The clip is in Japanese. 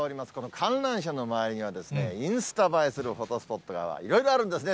観覧車の周りには、インスタ映えするフォトスポットがいろいろあるんですね。